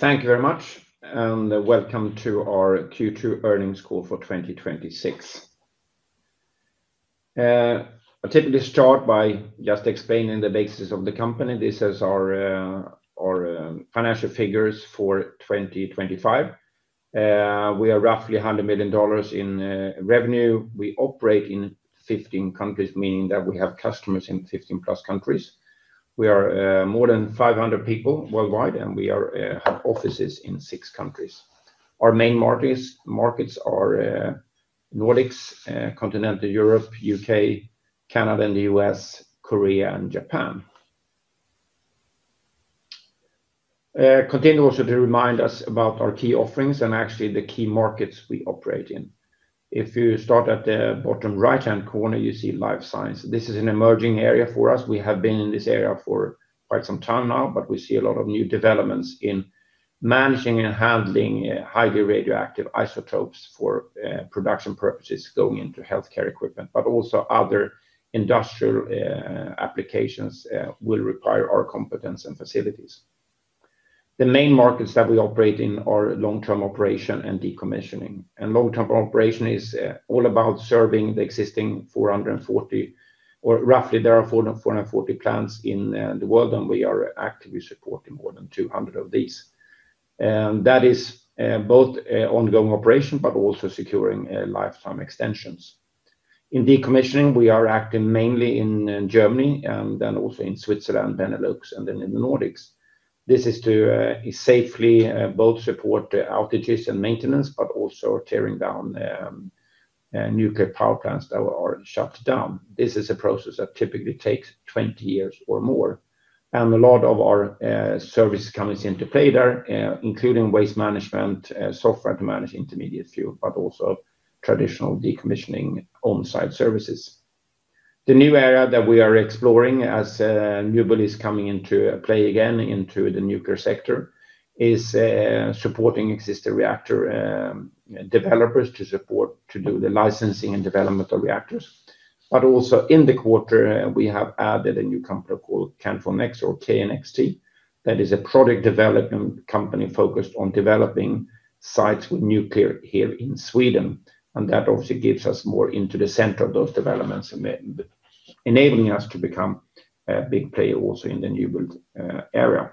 Thank you very much, welcome to our Q2 earnings call for 2026. I typically start by just explaining the basics of the company. This is our financial figures for 2025. We are roughly $100 million in revenue. We operate in 15 countries, meaning that we have customers in 15+ countries. We are more than 500 people worldwide, and we have offices in six countries. Our main markets are Nordics, Continental Europe, U.K., Canada and the U.S., Korea, and Japan. Continue also to remind us about our key offerings and actually the key markets we operate in. If you start at the bottom right-hand corner, you see life science. This is an emerging area for us. We have been in this area for quite some time now, we see a lot of new developments in managing and handling highly radioactive isotopes for production purposes going into healthcare equipment, but also other industrial applications will require our competence and facilities. The main markets that we operate in are long-term operation and decommissioning. Long-term operation is all about serving the existing 440, or roughly there are 440 plants in the world, and we are actively supporting more than 200 of these. That is both ongoing operation but also securing lifetime extensions. In decommissioning, we are acting mainly in Germany and then also in Switzerland, Benelux, and then in the Nordics. This is to safely both support the outages and maintenance, but also tearing down nuclear power plants that are shut down. This is a process that typically takes 20 years or more. A lot of our service comes into play there, including waste management, software to manage intermediate fuel, but also traditional decommissioning on-site services. The new area that we are exploring as new build is coming into play again into the nuclear sector is supporting existing reactor developers to support to do the licensing and development of reactors. Also in the quarter, we have added a new company called Kärnfull Next or KNXT, that is a product development company focused on developing sites with nuclear here in Sweden. That obviously gets us more into the center of those developments, enabling us to become a big player also in the new build area.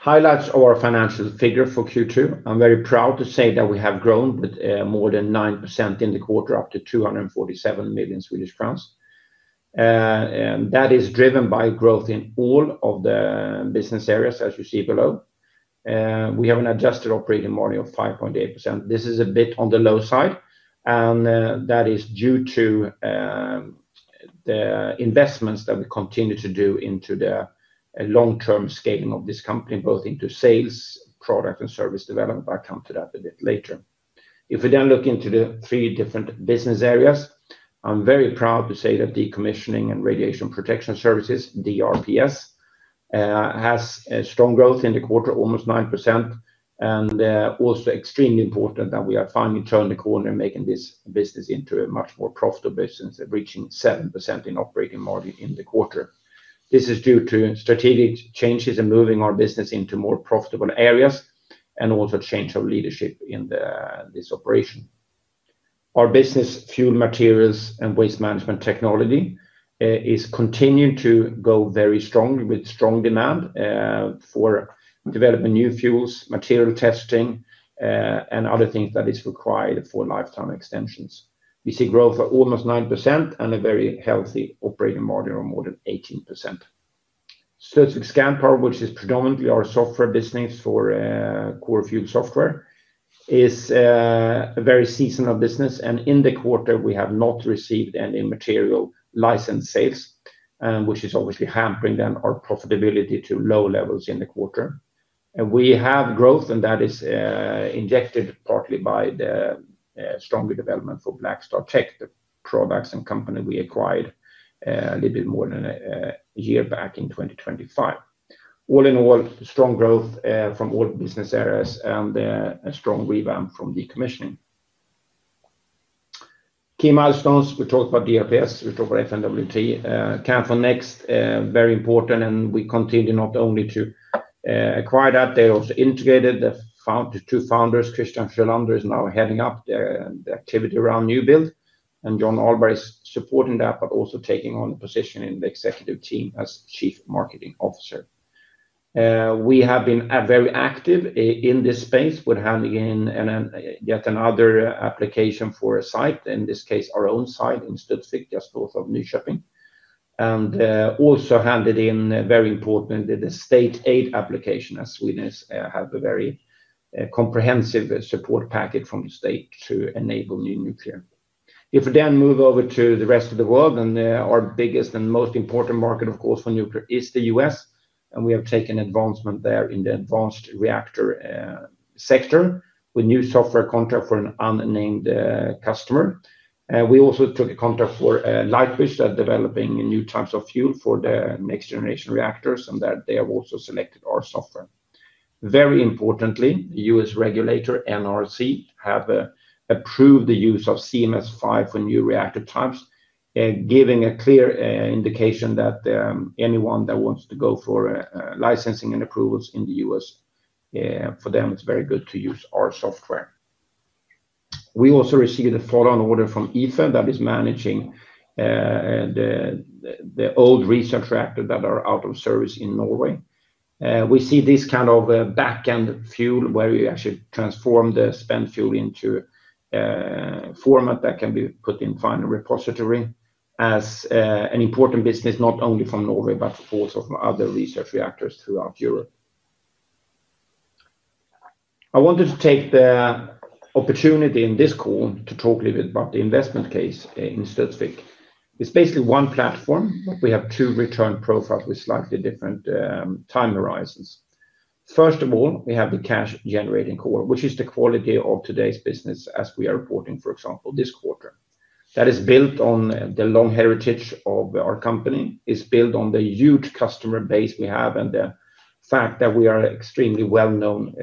Highlights of our financial figure for Q2. I'm very proud to say that we have grown with more than 9% in the quarter, up to 247 million Swedish crowns. That is driven by growth in all of the business areas, as you see below. We have an adjusted operating margin of 5.8%. This is a bit on the low side, that is due to the investments that we continue to do into the long-term scaling of this company, both into sales, product, and service development. I'll come to that a bit later. If we look into the three different business areas, I'm very proud to say that Decommissioning & Radiation Protection Services, DRPS, has a strong growth in the quarter, almost 9%. Also extremely important that we are finally turning the corner and making this business into a much more profitable business, reaching 7% in operating margin in the quarter. This is due to strategic changes and moving our business into more profitable areas and also change of leadership in this operation. Our business Fuel, Materials & Waste Technology is continuing to go very strongly with strong demand for developing new fuels, material testing, and other things that is required for lifetime extensions. We see growth of almost 9% and a very healthy operating margin of more than 18%. Studsvik Scandpower, which is predominantly our software business for core fuel software, is a very seasonal business, and in the quarter, we have not received any material license sales, which is obviously hampering then our profitability to low levels in the quarter. We have growth, and that is injected partly by the stronger development for BlackStarTech, the products and company we acquired a little bit more than a year back in 2025. All in all, strong growth from all business areas and a strong revamp from decommissioning. Key milestones. We talked about DRPS. We talked about FMWT. Kärnfull Next, very important, we continue not only to acquire that data, also integrated the two founders. Christian Sjölander is now heading up the activity around new build, and John Ahlberg is supporting that, but also taking on a position in the executive team as Chief Marketing Officer. We have been very active in this space with handing in yet another application for a site, in this case, our own site in Studsvik, just north of Nyköping. Also handed in very important the state aid application as Sweden has a very comprehensive support package from the state to enable new nuclear. We then move over to the rest of the world, and our biggest and most important market, of course, for nuclear is the U.S., and we have taken advancement there in the advanced reactor sector with new software contract for an unnamed customer. We also took a contract for Lightbridge that developing new types of fuel for the next generation reactors, and they have also selected our software. Very importantly, U.S. regulator NRC have approved the use of CMS5 for new reactor types, giving a clear indication that anyone that wants to go for licensing and approvals in the U.S., for them, it's very good to use our software. We also received a follow-on order from IFE that is managing the old research reactor that are out of service in Norway. We see this kind of back-end fuel, where we actually transform the spent fuel into a format that can be put in final repository, as an important business not only from Norway, but also from other research reactors throughout Europe. I wanted to take the opportunity in this call to talk a little bit about the investment case in Studsvik. It's basically one platform, but we have two return profiles with slightly different time horizons. First of all, we have the cash-generating core, which is the quality of today's business as we are reporting, for example, this quarter. That is built on the long heritage of our company. It's built on the huge customer base we have and the fact that we are extremely well-known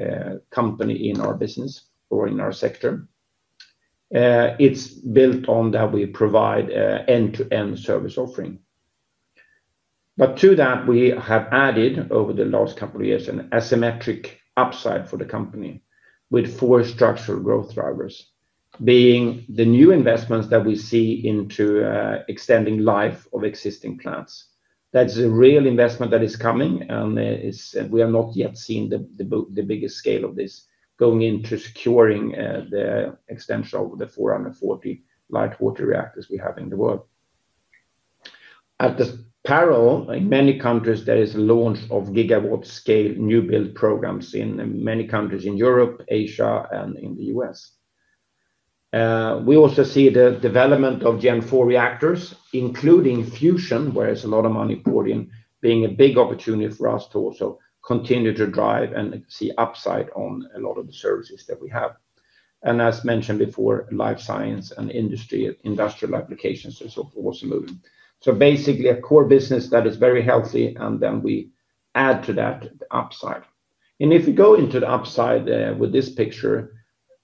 company in our business or in our sector. It's built on that we provide end-to-end service offering. To that, we have added, over the last couple of years, an asymmetric upside for the company with four structural growth drivers, being the new investments that we see into extending life of existing plants. That is a real investment that is coming. We have not yet seen the biggest scale of this going into securing the extension of the 440 light water reactors we have in the world. In parallel, in many countries, there is a launch of gigawatt scale new build programs in many countries in Europe, Asia, and in the U.S. We also see the development of Gen IV reactors, including fusion, where there's a lot of money poured in, being a big opportunity for us to also continue to drive and see upside on a lot of the services that we have. As mentioned before, life science and industrial applications are also moving. Basically, a core business that is very healthy, then we add to that the upside. If you go into the upside with this picture,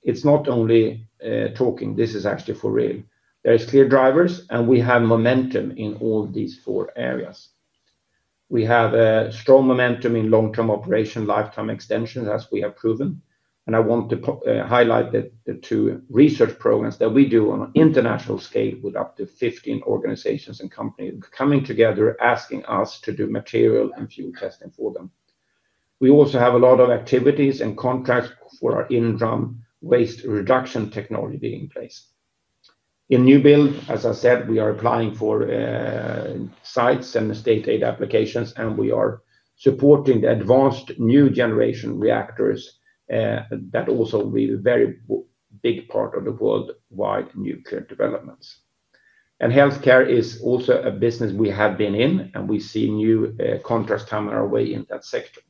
it's not only talking, this is actually for real. There are clear drivers. We have momentum in all these four areas. We have a strong momentum in long-term operation, lifetime extensions, as we have proven. I want to highlight the two research programs that we do on an international scale with up to 15 organizations and companies coming together asking us to do material and fuel testing for them. We also have a lot of activities and contracts for our inDRUM waste reduction technology being in place. In new build, as I said, we are applying for sites and the state aid applications. We are supporting the advanced new generation reactors. That also will be the very big part of the worldwide nuclear developments. Healthcare is also a business we have been in. We see new contracts coming our way in that sector.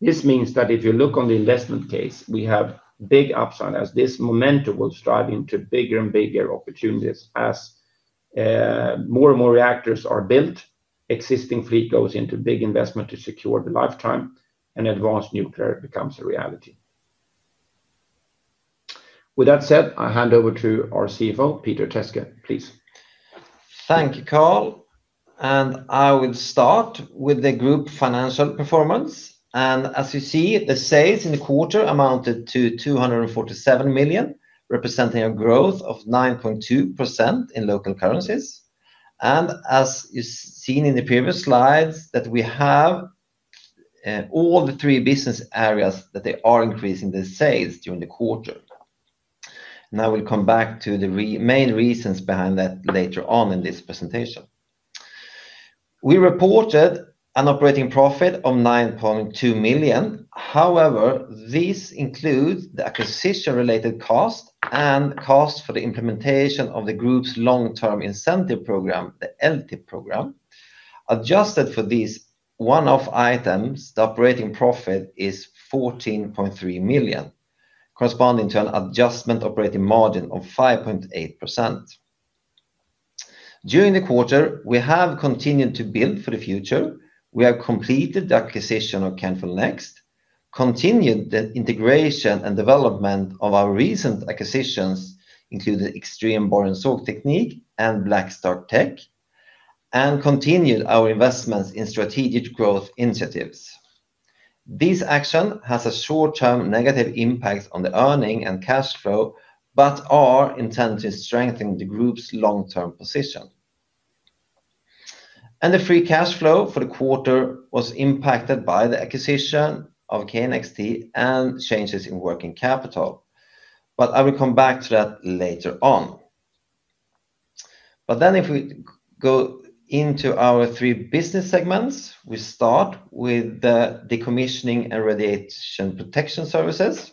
This means that if you look on the investment case, we have big upside as this momentum will stride into bigger and bigger opportunities as more and more reactors are built, existing fleet goes into big investment to secure the lifetime. Advanced nuclear becomes a reality. With that said, I hand over to our CFO, Peter Teske. Please. Thank you, Karl. I will start with the group financial performance. As you see, the sales in the quarter amounted to 247 million, representing a growth of 9.2% in local currencies. As is seen in the previous slides, we have all the three business areas that they are increasing the sales during the quarter. I will come back to the main reasons behind that later on in this presentation. We reported an operating profit of 9.2 million. However, this includes the acquisition-related cost and cost for the implementation of the group's long-term incentive program, the LTIP program. Adjusted for these one-off items, the operating profit is 14.3 million, corresponding to an adjusted operating margin of 5.8%. During the quarter, we have continued to build for the future. We have completed the acquisition of Kärnfull Next, continued the integration and development of our recent acquisitions, including Extrem Borr & Sågteknik and BlackStarTech, and continued our investments in strategic growth initiatives. This action has a short-term negative impact on the earning and cash flow, but are intended to strengthen the group's long-term position. The free cash flow for the quarter was impacted by the acquisition of KNXT and changes in working capital. I will come back to that later on. If we go into our three business segments, we start with the Decommissioning & Radiation Protection Services.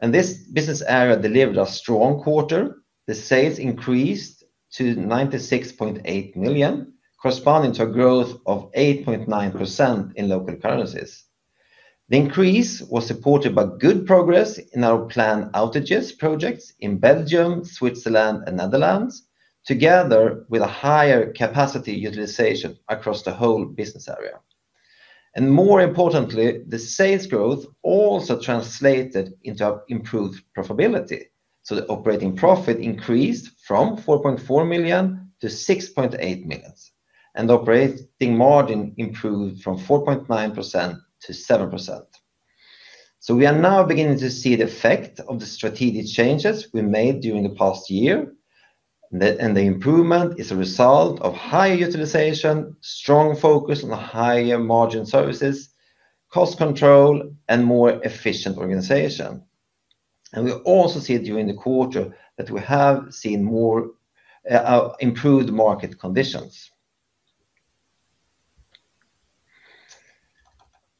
This business area delivered a strong quarter. The sales increased to 96.8 million, corresponding to a growth of 8.9% in local currencies. The increase was supported by good progress in our planned outages projects in Belgium, Switzerland, and Netherlands, together with a higher capacity utilization across the whole business area. More importantly, the sales growth also translated into improved profitability. The operating profit increased from 4.4 million to 6.8 million and the operating margin improved from 4.9% to 7%. We are now beginning to see the effect of the strategic changes we made during the past year. The improvement is a result of high utilization, strong focus on the higher margin services, cost control, and more efficient organization. We also see during the quarter that we have seen improved market conditions.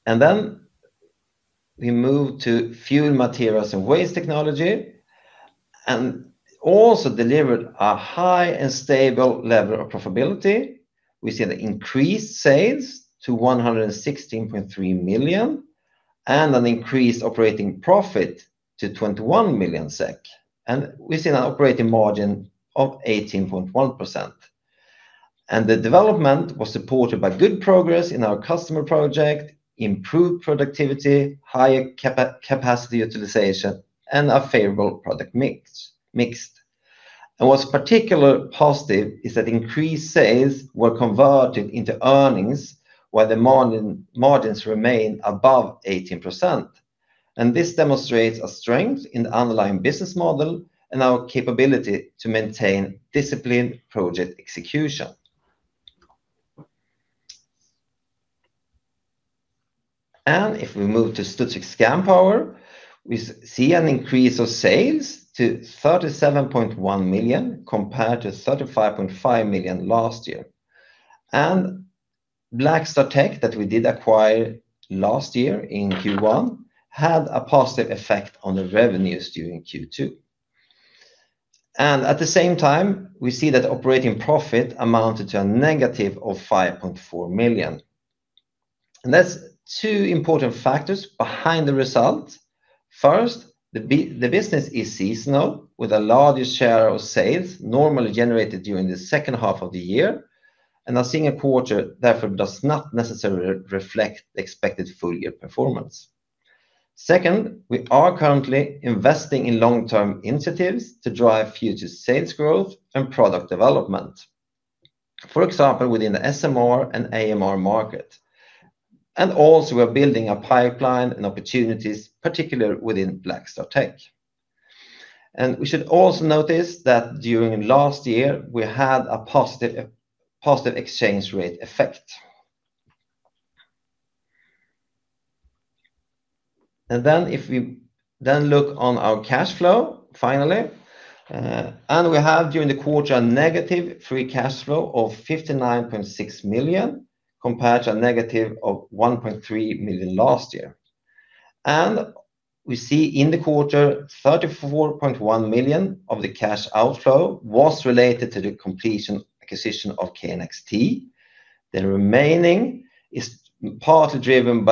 We move to Fuel, Materials & Waste Technology, also delivered a high and stable level of profitability. We see the increased sales to 116.3 million and an increased operating profit to 21 million SEK, and we see an operating margin of 18.1%. The development was supported by good progress in our customer project, improved productivity, higher capacity utilization, and a favorable product mix. What's particularly positive is that increased sales were converted into earnings while the margins remain above 18%. This demonstrates a strength in the underlying business model and our capability to maintain disciplined project execution. If we move to Studsvik Scandpower, we see an increase of sales to 37.1 million compared to 35.5 million last year. BlackStarTech, that we did acquire last year in Q1, had a positive effect on the revenues during Q2. At the same time, we see that operating profit amounted to a negative of 5.4 million. That's two important factors behind the result. First, the business is seasonal with a larger share of sales normally generated during the second half of the year, and a single quarter therefore does not necessarily reflect the expected full-year performance. Second, we are currently investing in long-term initiatives to drive future sales growth and product development, for example, within the SMR and AMR market. Also we're building a pipeline and opportunities, particularly within BlackStarTech. We should also notice that during last year, we had a positive exchange rate effect. If we then look on our cash flow, finally, we have during the quarter a negative free cash flow of 59.6 million compared to a negative of 1.3 million last year. We see in the quarter 34.1 million of the cash outflow was related to the completion acquisition of KNXT. The remaining is mainly driven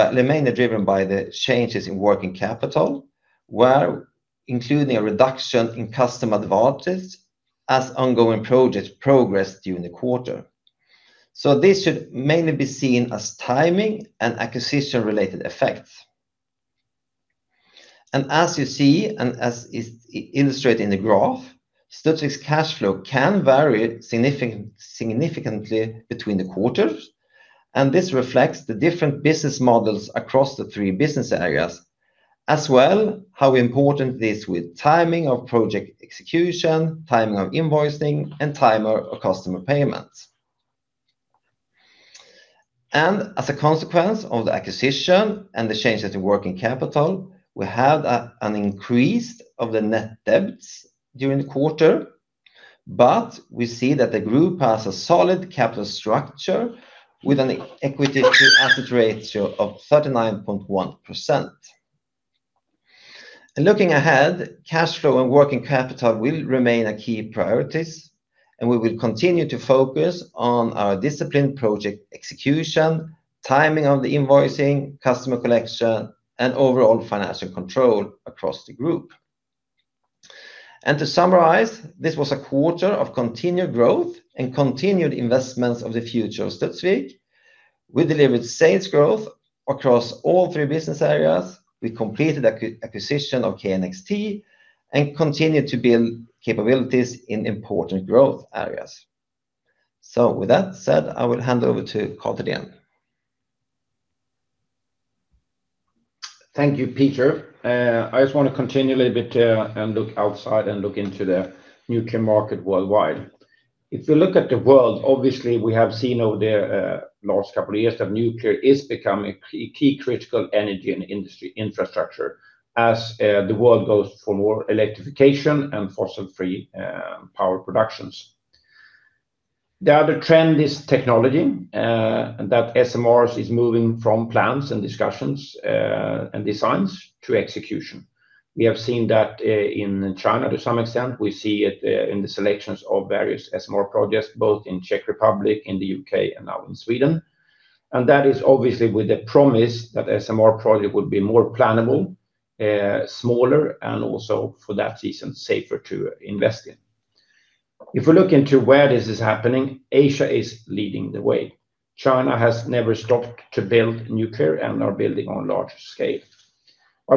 by the changes in working capital, including a reduction in customer advances as ongoing projects progressed during the quarter. This should mainly be seen as timing and acquisition-related effects. As you see, and as is illustrated in the graph, Studsvik's cash flow can vary significantly between the quarters, and this reflects the different business models across the three business areas, as well how important it is with timing of project execution, timing of invoicing, and timing of customer payments. As a consequence of the acquisition and the changes in working capital, we have an increase of the net debts during the quarter, but we see that the group has a solid capital structure with an equity to asset ratio of 39.1%. Looking ahead, cash flow and working capital will remain a key priority, and we will continue to focus on our disciplined project execution, timing of the invoicing, customer collection, and overall financial control across the group. To summarize, this was a quarter of continued growth and continued investments of the future of Studsvik. We delivered sales growth across all three business areas. We completed acquisition of KNXT and continued to build capabilities in important growth areas. With that said, I will hand over to Karl Thedéen. Thank you, Peter. I just want to continue a little bit and look outside and look into the nuclear market worldwide. If you look at the world, obviously we have seen over the last couple of years that nuclear is becoming key critical energy and industry infrastructure as the world goes for more electrification and fossil-free power productions. The other trend is technology, that SMRs is moving from plans and discussions and designs to execution. We have seen that in China to some extent. We see it in the selections of various SMR projects, both in Czech Republic, in the U.K., and now in Sweden. That is obviously with the promise that SMR project would be more plannable, smaller, and also for that reason, safer to invest in. If we look into where this is happening, Asia is leading the way. China has never stopped to build nuclear and are building on a large scale.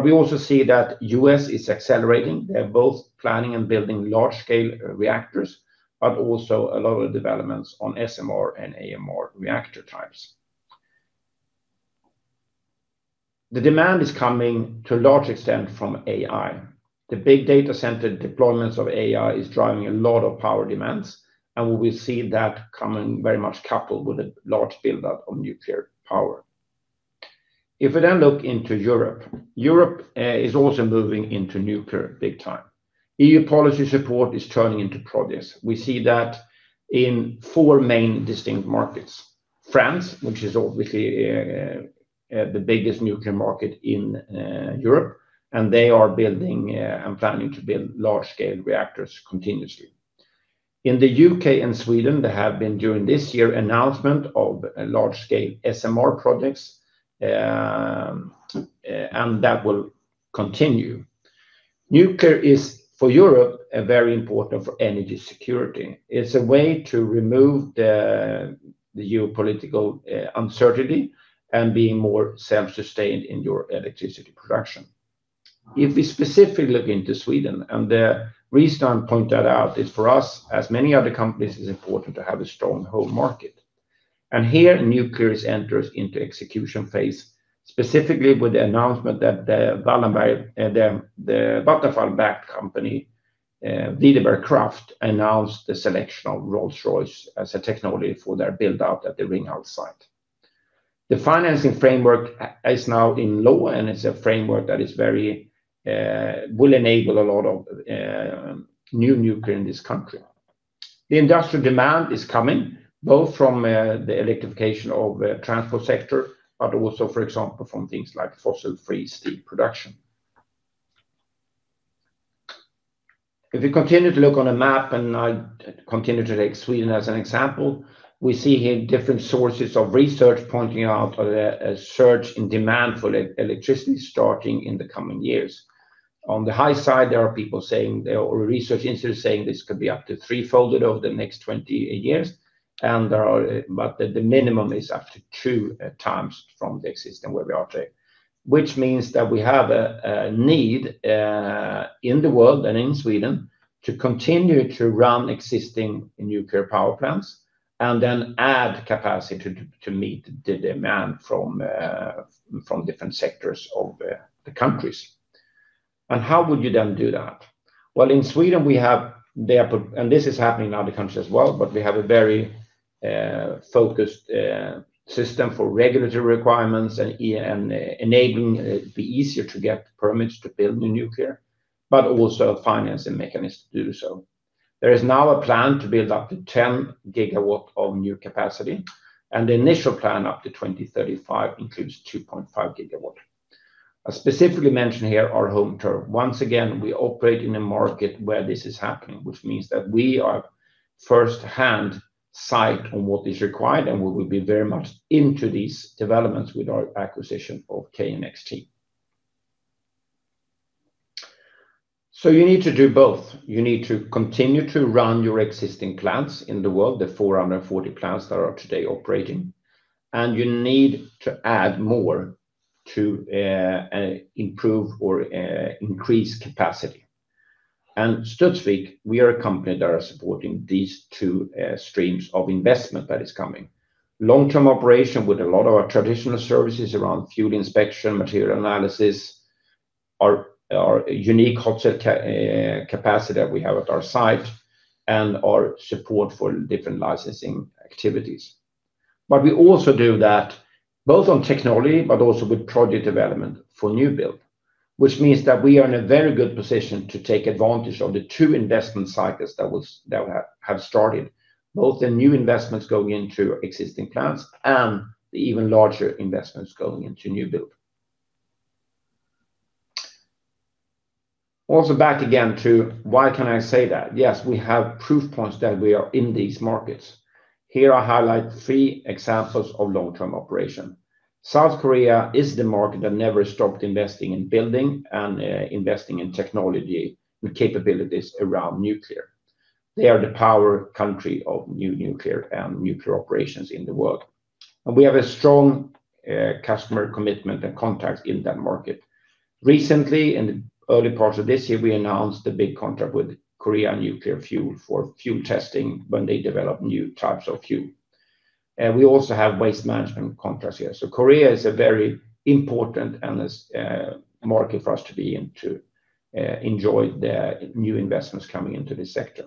We also see that U.S. is accelerating. They're both planning and building large-scale reactors, but also a lot of developments on SMR and AMR reactor types. The demand is coming to a large extent from AI. The big data center deployments of AI is driving a lot of power demands, and we see that coming very much coupled with a large buildup of nuclear power. Looking into Europe is also moving into nuclear big time. EU policy support is turning into projects. We see that in four main distinct markets. France, which is obviously the biggest nuclear market in Europe, they are building and planning to build large-scale reactors continuously. In the U.K. and Sweden, there have been, during this year, announcement of large-scale SMR projects. That will continue. Nuclear is, for Europe, very important for energy security. It's a way to remove the geopolitical uncertainty and be more self-sustained in your electricity production. The reason I point that out is for us, as many other companies, it's important to have a strong home market. Here, nuclear enters into execution phase, specifically with the announcement that the Vattenfall-backed company, Videberg Kraft, announced the selection of Rolls-Royce as a technology for their build-out at the Ringhals site. The financing framework is now in place. It's a framework that will enable a lot of new nuclear in this country. The industrial demand is coming, both from the electrification of the transport sector. Also, for example, from things like fossil-free steel production. If you continue to look on a map, I continue to take Sweden as an example, we see here different sources of research pointing out a surge in demand for electricity starting in the coming years. On the high side, there are research institutes saying this could be up to threefold over the next 20 years, but the minimum is up to 2x from the existing where we are today, which means that we have a need in the world and in Sweden to continue to run existing nuclear power plants and then add capacity to meet the demand from different sectors of the countries. How would you then do that? In Sweden, this is happening in other countries as well, we have a very focused system for regulatory requirements and enabling it to be easier to get permits to build new nuclear, but also financing mechanisms to do so. There is now a plan to build up to 10 GW of new capacity. The initial plan up to 2035 includes 2.5 GW. I specifically mention here our home turf. Once again, we operate in a market where this is happening, which means that we are first-hand sight on what is required. We will be very much into these developments with our acquisition of KNXT. You need to do both. You need to continue to run your existing plants in the world, the 440 plants that are today operating. You need to add more to improve or increase capacity. Studsvik, we are a company that are supporting these two streams of investment that is coming. Long-term operation with a lot of our traditional services around fuel inspection, material analysis, our unique hot cell capacity that we have at our site, and our support for different licensing activities. We also do that both on technology but also with project development for new build, which means that we are in a very good position to take advantage of the two investment cycles that have started, both the new investments going into existing plants and the even larger investments going into new build. Back again to why can I say that? Yes, we have proof points that we are in these markets. Here I highlight three examples of long-term operation. South Korea is the market that never stopped investing in building and investing in technology and capabilities around nuclear. They are the power country of new nuclear and nuclear operations in the world. We have a strong customer commitment and contacts in that market. Recently, in the early part of this year, we announced a big contract with Korea Nuclear Fuel for fuel testing when they develop new types of fuel. We also have waste management contracts here. Korea is a very important market for us to be in to enjoy the new investments coming into this sector.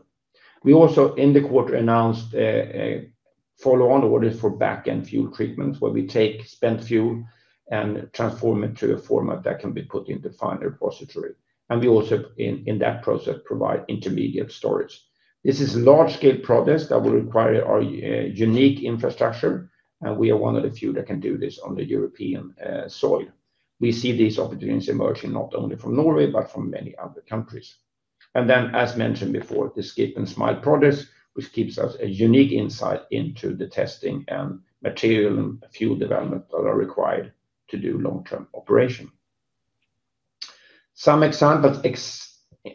We also, in the quarter, announced a follow-on order for back-end fuel treatment where we take spent fuel and transform it to a format that can be put into final repository. We also, in that process, provide intermediate storage. This is large-scale projects that will require our unique infrastructure, and we are one of the few that can do this on the European soil. We see these opportunities emerging not only from Norway but from many other countries. As mentioned before, the SCIP and SMILE projects, which gives us a unique insight into the testing and material and fuel development that are required to do long-term operation. Some examples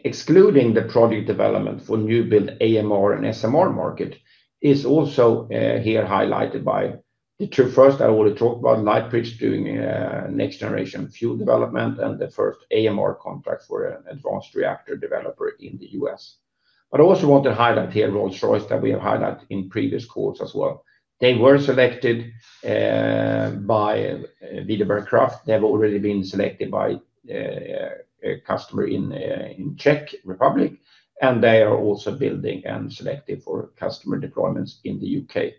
excluding the product development for new build AMR and SMR market is also here highlighted by the two. First, I want to talk about Lightbridge doing next generation fuel development and the first AMR contract for an advanced reactor developer in the U.S. I also want to highlight here Rolls-Royce that we have highlighted in previous calls as well. They were selected by Videberg Kraft. They have already been selected by a customer in Czech Republic, and they are also building and selected for customer deployments in the U.K.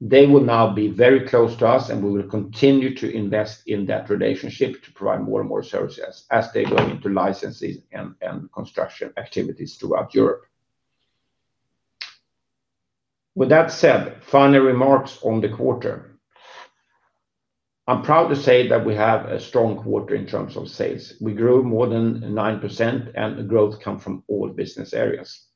They will now be very close to us. We will continue to invest in that relationship to provide more and more services as they go into licenses and construction activities throughout Europe. With that said, final remarks on the quarter. I'm proud to say that we have a strong quarter in terms of sales. We grew more than 9%. The growth comes from all business areas.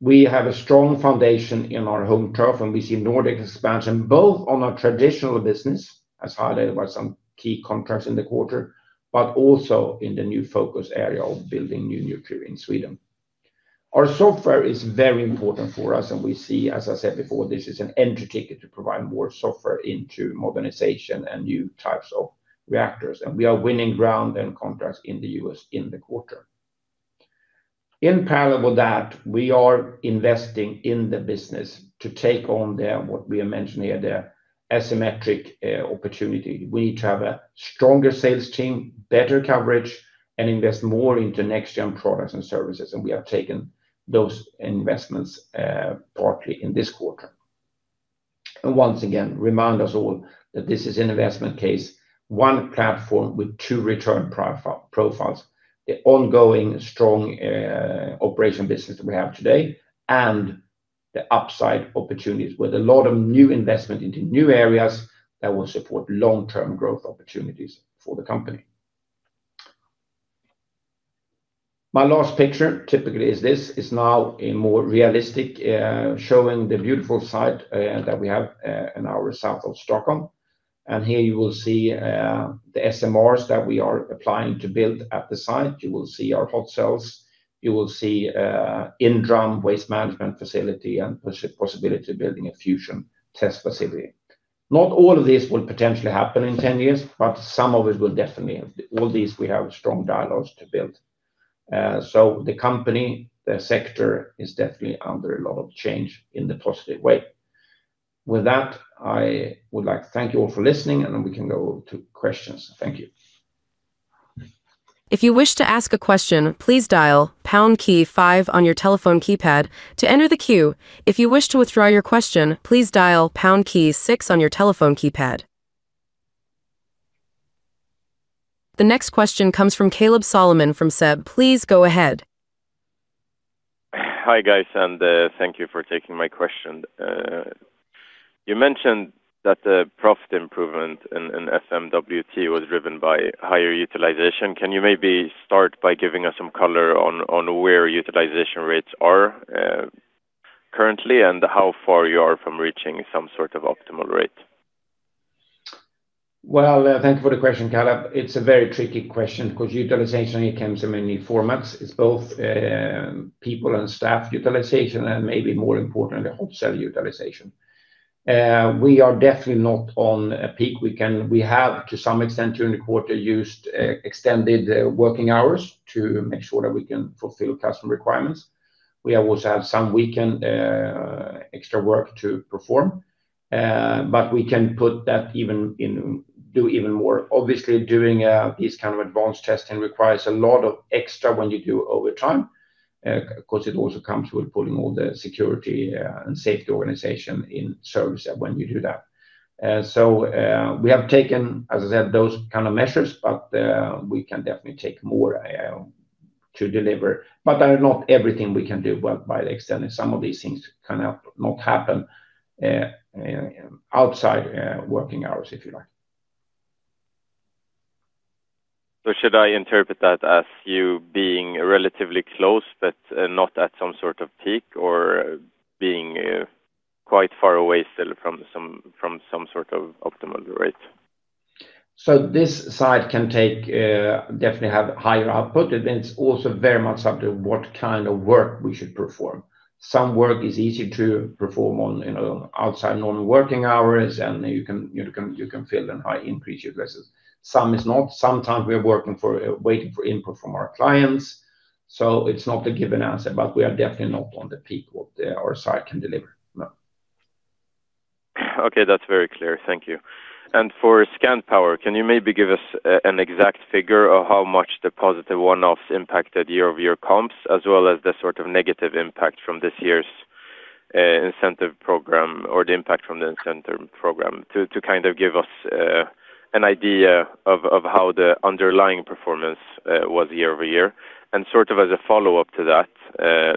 We have a strong foundation in our home turf. We see Nordic expansion both on our traditional business, as highlighted by some key contracts in the quarter, but also in the new focus area of building new nuclear in Sweden. Our software is very important for us. We see, as I said before, this is an entry ticket to provide more software into modernization and new types of reactors. We are winning ground and contracts in the U.S. in the quarter. In parallel with that, we are investing in the business to take on what we have mentioned here, the asymmetric opportunity. We need to have a stronger sales team, better coverage, and invest more into next-gen products and services. We have taken those investments partly in this quarter. Once again, remind us all that this is an investment case, one platform with two return profiles, the ongoing strong operation business that we have today, and the upside opportunities with a lot of new investment into new areas that will support long-term growth opportunities for the company. My last picture typically is now a more realistic, showing the beautiful site that we have an hour south of Stockholm. Here you will see the SMRs that we are applying to build at the site. You will see our hot cells. You will see inDRUM waste management facility and possibility of building a fusion test facility. Not all of this will potentially happen in 10 years, but some of it will definitely. All these we have strong dialogues to build. The company, the sector is definitely under a lot of change in the positive way. With that, I would like to thank you all for listening, then we can go to questions. Thank you. If you wish to ask a question, please dial pound key five on your telephone keypad to enter the queue. If you wish to withdraw your question, please dial pound key six on your telephone keypad. The next question comes from Kaleb Solomon from SEB. Please go ahead. Hi, guys, and thank you for taking my question. You mentioned that the profit improvement in FMWT was driven by higher utilization. Can you maybe start by giving us some color on where utilization rates are currently and how far you are from reaching some sort of optimal rate? Well, thank you for the question, Kaleb. It's a very tricky question because utilization, it comes in many formats. It's both people and staff utilization and maybe more importantly, hot cell utilization. We are definitely not on a peak. We have, to some extent during the quarter, used extended working hours to make sure that we can fulfill customer requirements. We also have some weekend extra work to perform, but we can do even more. Obviously, doing this kind of advanced testing requires a lot of extra when you do overtime. Of course, it also comes with putting all the security and safety organization in service when you do that. We have taken, as I said, those kind of measures, but we can definitely take more to deliver. Not everything we can do by extending. Some of these things cannot happen outside working hours, if you like. Should I interpret that as you being relatively close but not at some sort of peak or being quite far away still from some sort of optimal rate? This site can definitely have higher output, and it's also very much up to what kind of work we should perform. Some work is easy to perform on outside normal working hours, and you can fill them, increase your lessons. Some is not. Sometimes we're waiting for input from our clients. It's not a given answer, but we are definitely not on the peak what our site can deliver. No. Okay, that's very clear. Thank you. For Scandpower, can you maybe give us an exact figure of how much the positive one-offs impacted year-over-year comps as well as the sort of negative impact from this year's incentive program or the impact from the incentive program to kind of give us an idea of how the underlying performance was year-over-year? As a follow-up to that,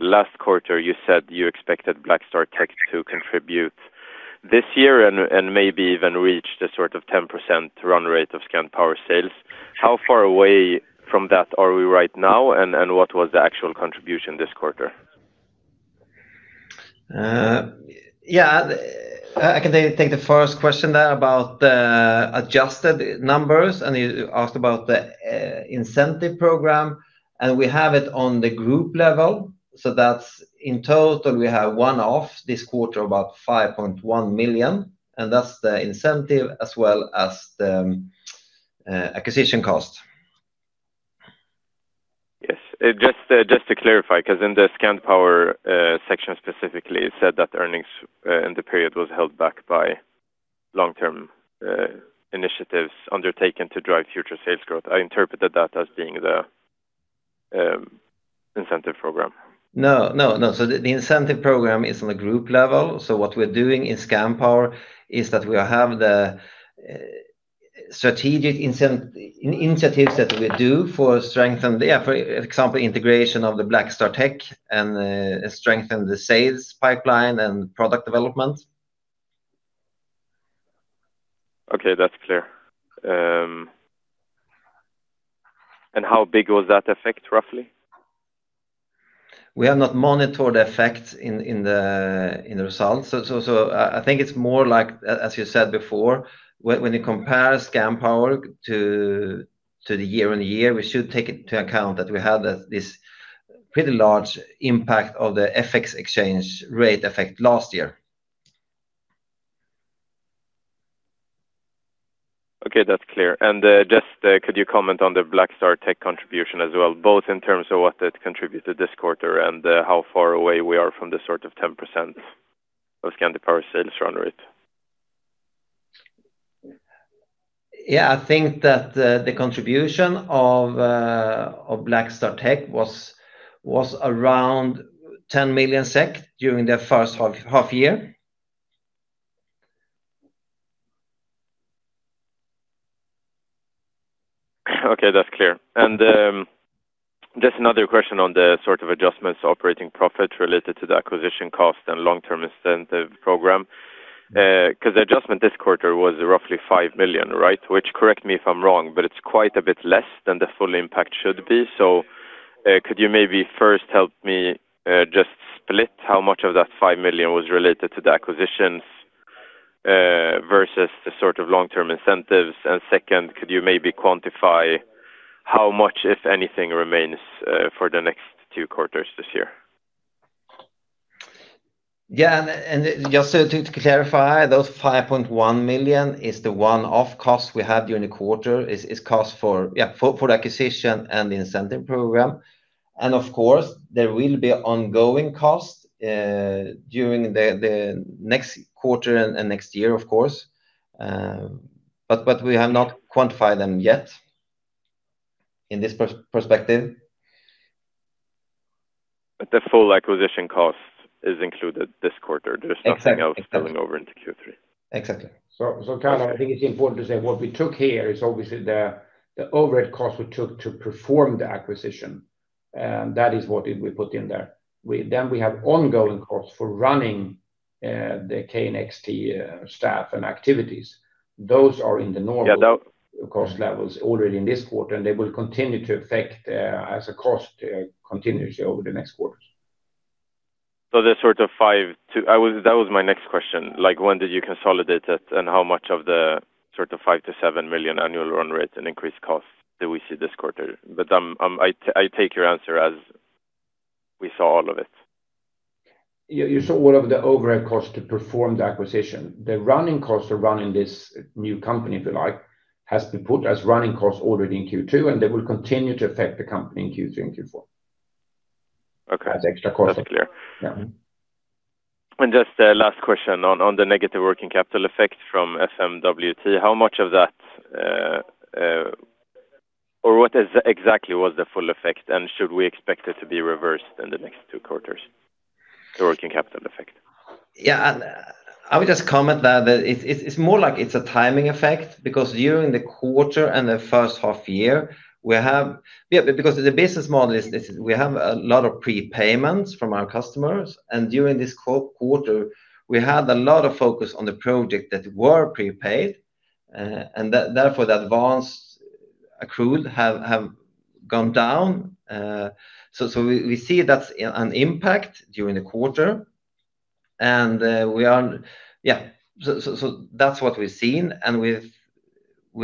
last quarter you said you expected BlackStarTech to contribute this year and maybe even reach the sort of 10% run rate of Scandpower sales. How far away from that are we right now, and what was the actual contribution this quarter? Yeah. I can take the first question there about the adjusted numbers. You asked about the incentive program, and we have it on the group level. That's in total we have one-off this quarter about 5.1 million, and that's the incentive as well as the acquisition cost. Yes. Just to clarify, because in the Scandpower section specifically, it said that earnings in the period was held back by long-term initiatives undertaken to drive future sales growth. I interpreted that as being the incentive program. No. The incentive program is on a group level. What we're doing in Scandpower is that we have the strategic incentives that we do for strengthen the effort. For example, integration of the BlackStarTech and strengthen the sales pipeline and product development. Okay. That's clear. How big was that effect roughly? We have not monitored the effects in the results. I think it's more like, as you said before, when you compare Scandpower to the year-on-year, we should take into account that we had this pretty large impact of the FX exchange rate effect last year. Okay. That's clear. Just could you comment on the BlackStarTech contribution as well, both in terms of what it contributes to this quarter and how far away we are from the sort of 10% of Scandpower sales run rate? Yeah, I think that the contribution of BlackStarTech was around 10 million SEK during the first half year. Okay. That's clear. Just another question on the sort of adjustments operating profit related to the acquisition cost and long-term incentive program. The adjustment this quarter was roughly 5 million, right? Which correct me if I'm wrong, but it's quite a bit less than the full impact should be. Could you maybe first help me just split how much of that 5 million was related to the acquisitions versus the sort of long-term incentives? Second, could you maybe quantify how much, if anything, remains for the next two quarters this year? Yeah. Just to clarify, those 5.1 million is the one-off cost we had during the quarter is cost for acquisition and the incentive program. Of course, there will be ongoing costs during the next quarter and next year, of course. We have not quantified them yet in this perspective. The full acquisition cost is included this quarter. There's nothing else. Exactly Spilling over into Q3. Exactly. Kaleb, I think it's important to say what we took here is obviously the overhead cost we took to perform the acquisition, and that is what we put in there. Then we have ongoing costs for running the KNXT staff and activities. Those are in the normal. Yeah. Cost levels already in this quarter, and they will continue to affect as a cost continuously over the next quarters. That was my next question. When did you consolidate it, and how much of the sort of 5 million-7 million annual run rate and increased costs did we see this quarter? I take your answer as we saw all of it. You saw all of the overhead cost to perform the acquisition. The running costs to run in this new company, if you like, has been put as running costs already in Q2, and they will continue to affect the company in Q3 and Q4. Okay. As extra costs. That's clear. Yeah. Just a last question on the negative working capital effect from FMWT. How much of that or what exactly was the full effect, and should we expect it to be reversed in the next two quarters, the working capital effect? I would just comment that it's more like it's a timing effect because during the quarter and the first half year, we have a lot of prepayments from our customers, and during this quarter, we had a lot of focus on the project that were prepaid, and therefore the advanced accrued have gone down. We see that's an impact during the quarter, and we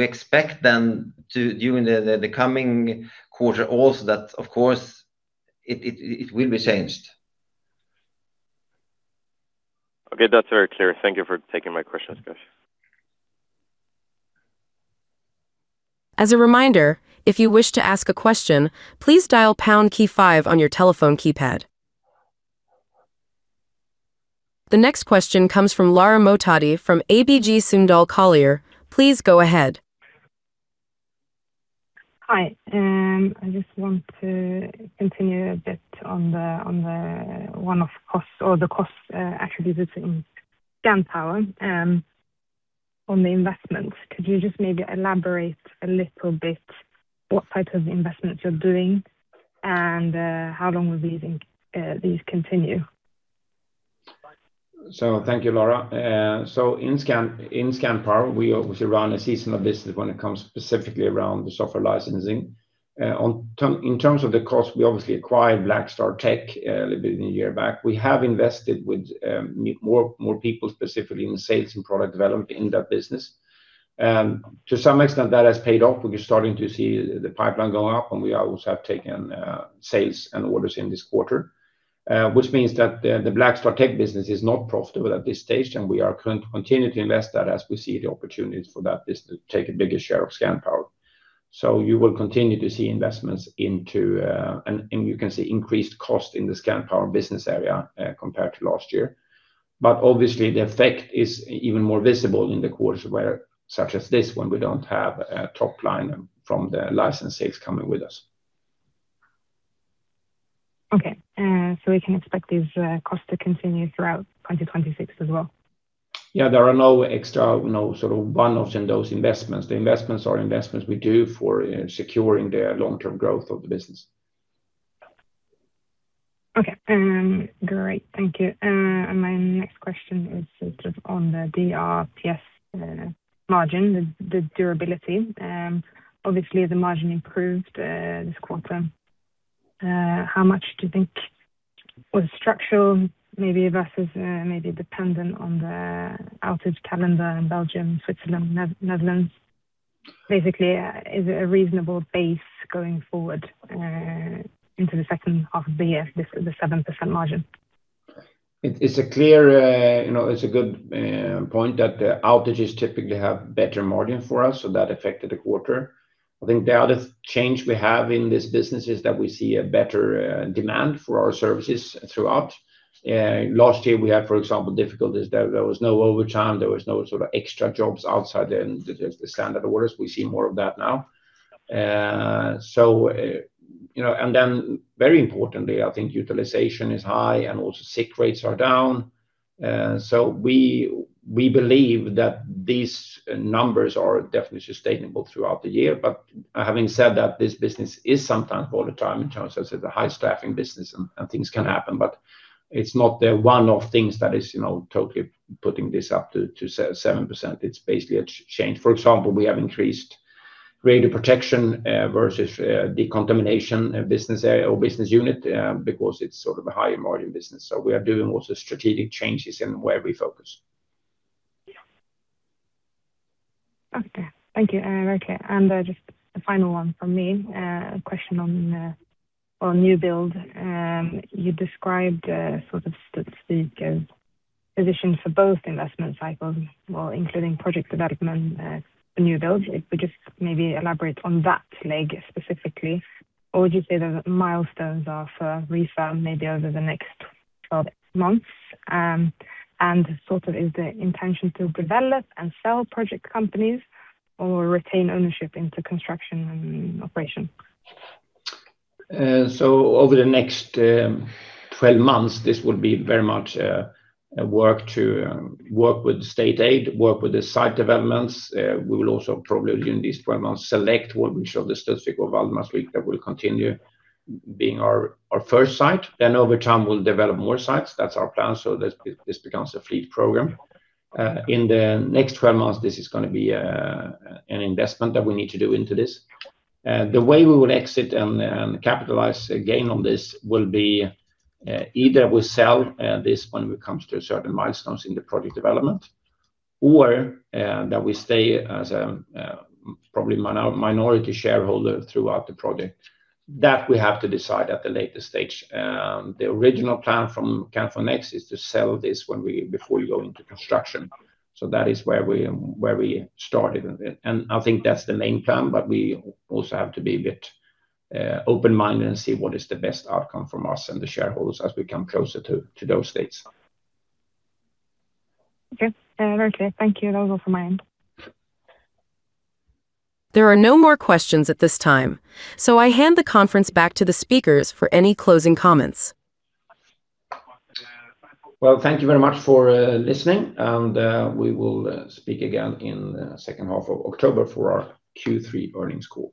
expect during the coming quarter also that, of course, it will be changed. That's very clear. Thank you for taking my questions, guys. As a reminder, if you wish to ask a question, please dial pound key five on your telephone keypad. The next question comes from Lara Mohtadi from ABG Sundal Collier. Please go ahead. Hi. I just want to continue a bit on the one-off costs or the costs attributed to Scandpower on the investments. Could you just maybe elaborate a little bit what type of investments you're doing and how long will these continue? Thank you, Lara. In Scandpower, we obviously run a seasonal business when it comes specifically around the software licensing. In terms of the cost, we obviously acquired BlackStarTech a little bit in a year back. We have invested with more people, specifically in sales and product development in that business. To some extent, that has paid off. We're starting to see the pipeline go up, and we also have taken sales and orders in this quarter, which means that the BlackStarTech business is not profitable at this stage, and we are continuing to invest that as we see the opportunities for that business take a bigger share of Scandpower. You will continue to see investments into, and you can see increased cost in the Scandpower business area compared to last year. Obviously the effect is even more visible in the quarter where such as this one, we don't have a top line from the license sales coming with us. Okay. We can expect these costs to continue throughout 2026 as well? Yeah, there are no extra, no sort of one-offs in those investments. The investments are investments we do for securing the long-term growth of the business. Okay. Great. Thank you. My next question is sort of on the DRPS margin, the durability. Obviously, the margin improved this quarter. How much do you think was structural maybe versus maybe dependent on the outage calendar in Belgium, Switzerland, Netherlands? Basically, is it a reasonable base going forward into the second half of the year, this is the 7% margin? It's a good point that the outages typically have better margin for us, that affected the quarter. I think the other change we have in this business is that we see a better demand for our services throughout. Last year we had, for example, difficulties. There was no overtime, there was no sort of extra jobs outside the standard orders. We see more of that now. Then very importantly, I think utilization is high and also sick rates are down. We believe that these numbers are definitely sustainable throughout the year. But having said that, this business is sometimes volatile in terms of the high staffing business and things can happen, but it's not the one-off things that is totally putting this up to 7%. It's basically a change. For example, we have increased greater protection versus decontamination business area or business unit because it's sort of a higher margin business. We are doing also strategic changes in where we focus. Okay, thank you. Very clear. Just the final one from me, a question on new build. You described sort of the position for both investment cycles, well, including project development for new builds. If you just maybe elaborate on that leg specifically, or would you say the milestones are for the firm maybe over the next 12 months? Sort of is the intention to develop and sell project companies or retain ownership into construction and operation? Over the next 12 months, this would be very much work to work with state aid, work with the site developments. We will also probably during these 12 months select what we showed the [inaudible] that will continue being our first site. Over time, we'll develop more sites. That's our plan. This becomes a fleet program. In the next 12 months, this is going to be an investment that we need to do into this. The way we will exit and capitalize gain on this will be either we sell this when we come to certain milestones in the project development or that we stay as a probably minority shareholder throughout the project. That we have to decide at the later stage. The original plan from Kärnfull Next is to sell this before we go into construction. That is where we started, and I think that's the main plan, but we also have to be a bit open-minded and see what is the best outcome from us and the shareholders as we come closer to those dates. Okay. Very clear. Thank you. That was all from my end. There are no more questions at this time. I hand the conference back to the speakers for any closing comments. Well, thank you very much for listening. We will speak again in the second half of October for our Q3 earnings call.